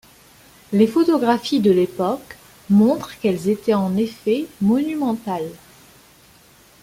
Les photographies de l'époque montrent qu'elles étaient en effet monumentales.